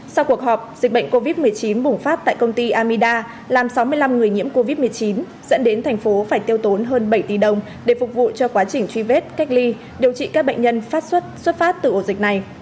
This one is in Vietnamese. sau cuộc họp dịch bệnh covid một mươi chín bùng phát tại công ty amida làm sáu mươi năm người nhiễm covid một mươi chín dẫn đến thành phố phải tiêu tốn hơn bảy tỷ đồng để phục vụ cho quá trình truy vết cách ly điều trị các bệnh nhân phát xuất xuất phát từ ổ dịch này